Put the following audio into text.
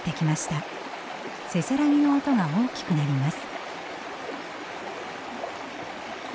せせらぎの音が大きくなります。